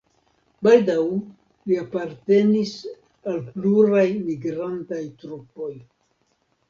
Baldaŭ li apartenis al pluraj migrantaj trupoj.